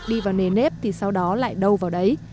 đi vào nề nếp thì sau đó lại đâu vào đấy